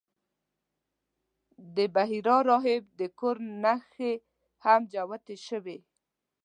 د بحیرا راهب د کور نښې هم جوتې شوې.